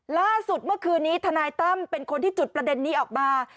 ล่าสุดเมื่อคืนนี้ทนายตั้มเป็นคนที่จุดประเด็นนี้ออกมา